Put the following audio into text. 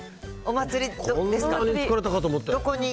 こんなに疲れたかと思って。